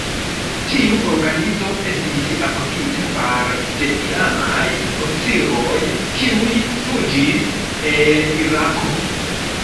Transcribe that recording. Tiu organizo estis apogita fare de iamaj oficiroj, kiuj fuĝis el Irako.